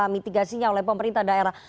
mitigasinya oleh pemerintah daerah